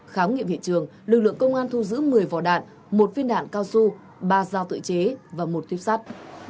khám nghiệm hiện trường lực lượng công an thu giữ một mươi vỏ đạn một viên đạn cao su ba dao tự chế và một tuyếp sắt